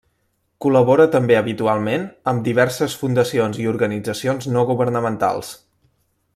Col·labora també habitualment amb diverses fundacions i organitzacions no governamentals.